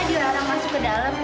mbak diorang arang masuk ke dalam